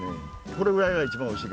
これぐらいが一番おいしい。